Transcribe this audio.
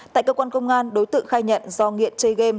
tại cơ quan công an đối tượng khai nhận do nghiện chơi game